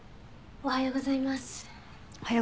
おはようございます。